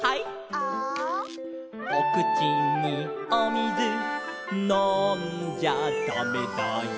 「ア」「おくちにおみずのんじゃだめだよ」